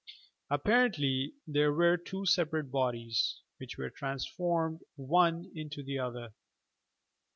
Ap parently there were two separate bodies, which were transformed one into the other